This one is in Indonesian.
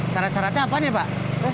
sarat saratnya apaan ya pak